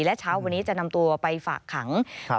และเช้าวันนี้จะนำตัวไปฝากขัง